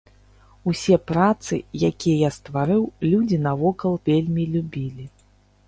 Усе працы, якія я ствараў, людзі навокал вельмі любілі.